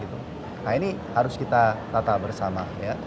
nah ini harus kita tata bersama